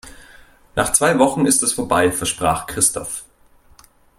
Nach zwei Wochen ist es vorbei, versprach Christoph.